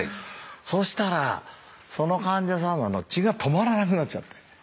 そうしたらその患者様の血が止まらなくなっちゃって。